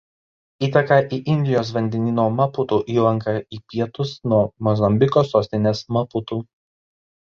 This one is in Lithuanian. Įteka į Indijos vandenyno Maputu įlanką į pietus nuo Mozambiko sostinės Maputu.